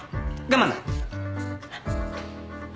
我慢だ。